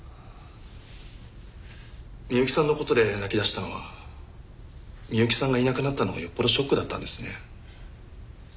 美雪さんの事で泣き出したのは美雪さんがいなくなったのがよっぽどショックだったんですね。